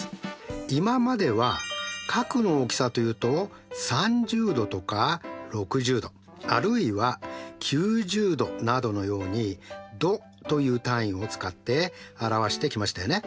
今までは角の大きさというと３０°とか６０°あるいは９０°などのように「度」という単位を使って表してきましたよね。